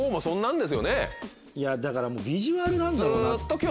いやだからビジュアルなんぞ。